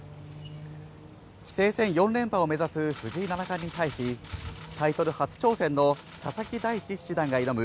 棋聖戦４連覇を目指す藤井七冠に対し、タイトル初挑戦の佐々木大地七段が挑む